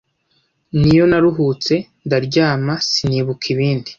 n’iyo naruhutse ndaryama sinibuka ibindi”